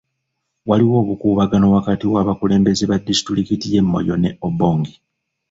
Waliwo obukuubagano wakati w'abakulembeze ba disitulikiti y'e Moyo me Obongi.